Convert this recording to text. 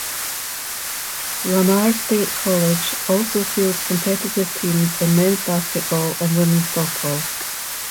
Lamar State College also fields competitive teams in Men's Basketball and Women's Softball.